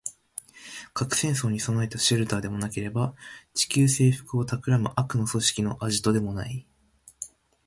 核戦争に備えたシェルターでもなければ、地球制服を企む悪の組織のアジトでもない